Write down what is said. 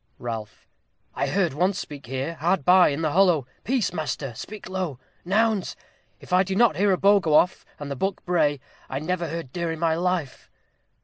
Ralph. I heard one speak here, hard by, in the hollow. Peace! master, speak low. Nouns! if I do not hear a bow go off, and the buck bray, I never heard deer in my life.